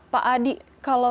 pak adi kalau